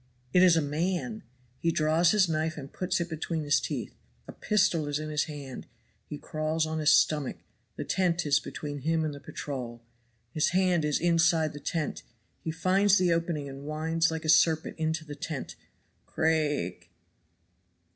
It is a man! He draws his knife and puts it between his teeth. A pistol is in his hand he crawls on his stomach the tent is between him and the patrol. His hand is inside the tent he finds the opening and winds like a serpent into the tent. Craake!